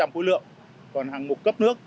của lượng còn hạng mục cấp nước